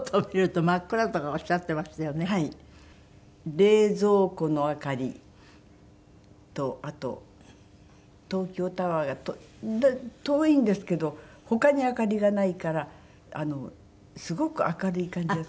冷蔵庫の明かりとあと東京タワーが遠いんですけど他に明かりがないからすごく明るい感じがする。